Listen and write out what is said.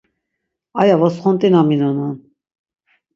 Aya votsxont̆inaminonan.